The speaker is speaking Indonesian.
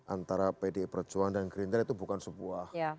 antara pdp perjuangan dan green deal itu bukan sebuah